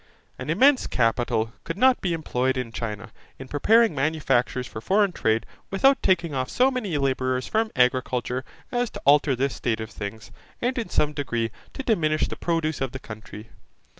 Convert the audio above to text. An immense capital could not be employed in China in preparing manufactures for foreign trade without taking off so many labourers from agriculture as to alter this state of things, and in some degree to diminish the produce of the country.